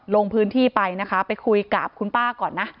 ลงพื้นที่ไปนะคะไปคุยกับคุณป้าก่อนนะ